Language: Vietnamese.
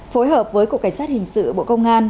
phối hợp với cục cảnh sát hình sự bộ công an